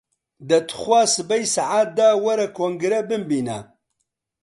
دە توخوا سبەی سەعات دە، وەرە کۆنگرە بمبینە!